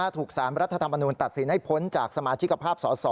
ถูกสารรัฐธรรมนูลตัดสินให้พ้นจากสมาชิกภาพสอสอ